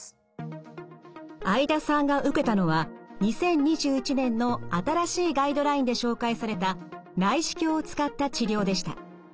會田さんが受けたのは２０２１年の新しいガイドラインで紹介された内視鏡を使った治療でした。